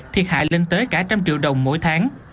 thiệt hại lên tới cả trăm triệu đồng mỗi tháng